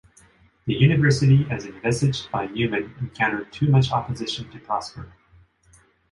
The University as envisaged by Newman encountered too much opposition to prosper.